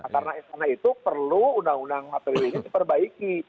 karena sana itu perlu undang undang matriwini diperbaiki